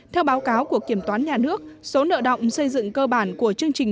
theo báo cáo của kiểm toán nhà nước số nợ động xây dựng cơ bản của chương trình